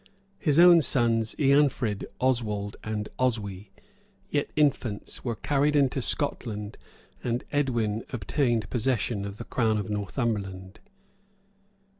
[*] His own sons, Eanfrid. Oswald, and Oswy, yet infants, were carried into Scotland; and Edwin obtained possession of the crown of Northumberland.